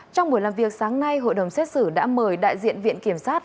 trong buổi làm việc sáng nay hội đồng xét xử đã mời đại diện viện kiểm sát